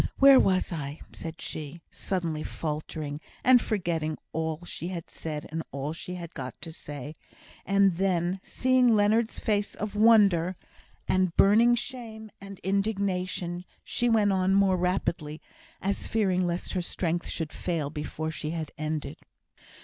Where was I?" said she, suddenly faltering, and forgetting all she had said and all she had got to say; and then, seeing Leonard's face of wonder, and burning shame and indignation, she went on more rapidly, as fearing lest her strength should fail before she had ended.